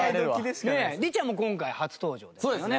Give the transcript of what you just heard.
リチャも今回初登場ですよね。